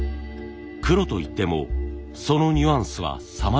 黒といってもそのニュアンスはさまざま。